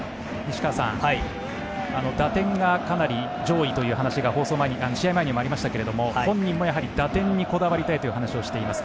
打点がかなり上位という話が試合前にもありましたが本人も打点にこだわりたいという話をしています。